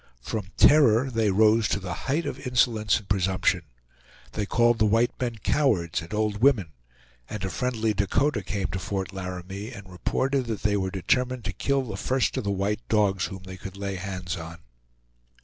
From terror they rose to the height of insolence and presumption. They called the white men cowards and old women; and a friendly Dakota came to Fort Laramie and reported that they were determined to kill the first of the white dogs whom they could lay hands on.